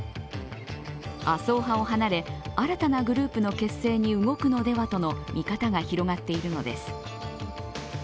麻生派を離れ、新たなグループの結成に動くのではとの見方が広がっているのです。